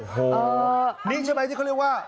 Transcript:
โหนี่ใช่ไหมเนี่ยว่า